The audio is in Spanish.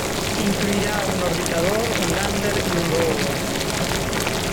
Incluirá un orbitador, un lander y un rover.